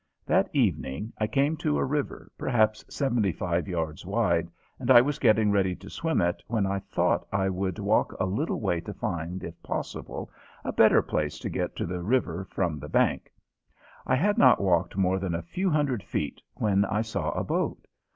That evening I came to a river perhaps seventy five yards wide, and I was getting ready to swim it when I thought I would walk a little way to find, if possible, a better place to get to the river from the bank. I had not walked more than a few hundred feet when I saw a boat.